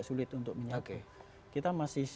sulit untuk menyakit kita masih